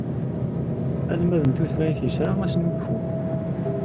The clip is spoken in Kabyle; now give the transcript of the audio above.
Almad n tutlayt isra asnulfu.